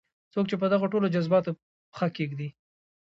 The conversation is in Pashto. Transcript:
څوک چې په دغو ټولو جذباتو پښه کېږدي.